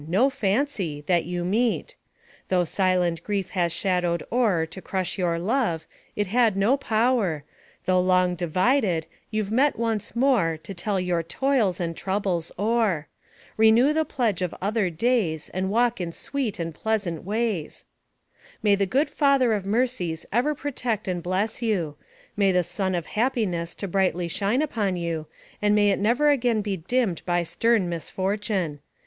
no fancy ! that you meet ; Tho' silent grief has shadowed o'er To crush your love it had no power Tho' long divided, you 've met once more To tell your toils and troubles o'er; Renew the pledge of other days, And walk in sweet and pleasant ways "May the good Father of mercies ever protect and bless you; make the sun of happiness to brightly shine upon you, and may it never again be dimmed by stern misfortune!